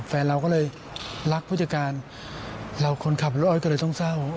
แฟนเราก็เลยรักผู้จัดการเราคนขับรถอ้อยก็เลยต้องเศร้า